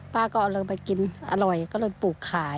ป้าก็เอาลงไปกินอร่อยก็เลยปลูกขาย